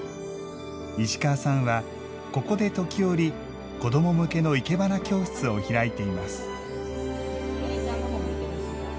石川さんはここで時折子ども向けの生け花教室を開いています。